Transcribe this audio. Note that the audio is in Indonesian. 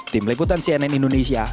tim leputan cnn indonesia